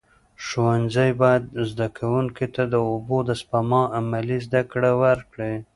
ښوونځي باید زده کوونکو ته د اوبو د سپما عملي زده کړه ورکړي.